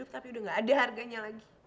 tapi udah gak ada harganya lagi